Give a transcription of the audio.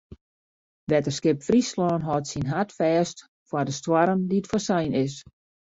Wetterskip Fryslân hâldt syn hart fêst foar de stoarm dy't foarsein is.